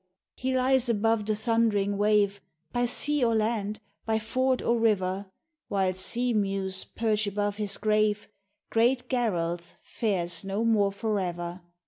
" He lies above the thundering wave : By sea or land, by ford or river, While sea mews perch above his grave Great Garalth fares no more for ever.